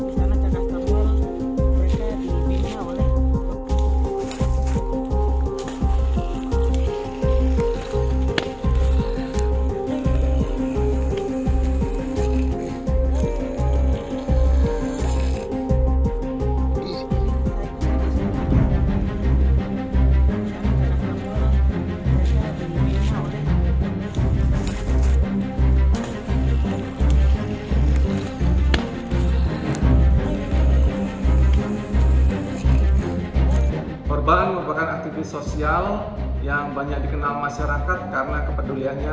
korban merupakan aktivis sosial yang banyak dikenal masyarakat karena kepeduliannya